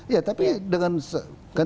ya tapi dengan kan tidak ada yang bisa diberikan